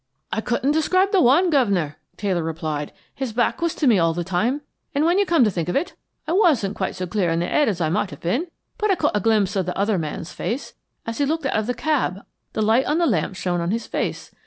"I couldn't describe the one, guv'nor," Taylor replied. "His back was to me all the time, and when you come to think of it, I wasn't quite so clear in the head as I might have been. But I caught a glimpse of the other man's face; as he looked out of the cab the light of the lamp shone on his face.